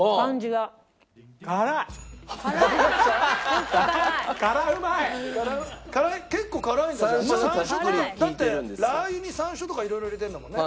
だってラー油に山椒とか色々入れてるんだもんね。